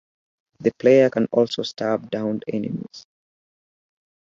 The player can also stab downed enemies.